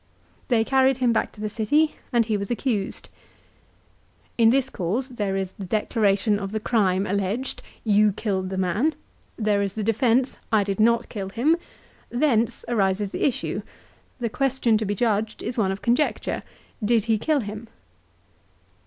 They carried him back to the city, and he was accused." In this cause, there is the declaration of the crime alleged, " You killed the man." There is the defence, " I did not kill him." Thence arises the issue. The question to be judged is one of conjecture. " Did he kill him